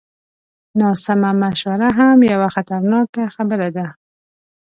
ناسمه مشوره هم یوه خطرناکه خبره ده.